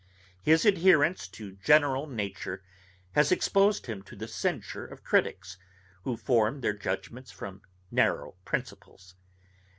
His adherence to general nature has exposed him to the censure of criticks, who form their judgments upon narrow principles.